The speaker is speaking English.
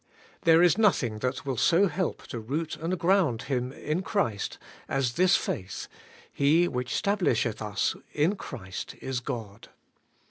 There is nothing that will so help to root and ground him in Christ as this faith: *He which stablisheth us in Christ is God.'